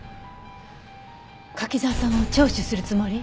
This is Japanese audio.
柿沢さんを聴取するつもり？